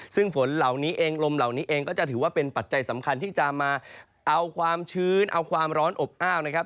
ซึ่งฝนเหล่านี้เองลมเหล่านี้เองก็จะถือว่าเป็นปัจจัยสำคัญที่จะมาเอาความชื้นเอาความร้อนอบอ้าวนะครับ